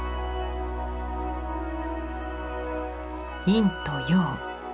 陰と陽。